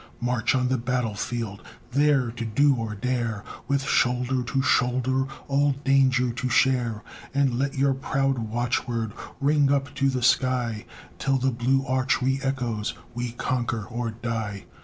March on the battlefield, there to do or dare, With shoulder to shoulder, all danger to share, And let your proud watchword ring up to the sky, Till the blue arch reëchoes, "We conquer or die."